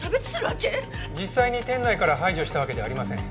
実際に店内から排除したわけではありません。